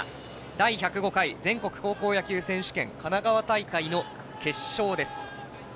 第１０５回全国高校野球選手権神奈川大会の決勝です。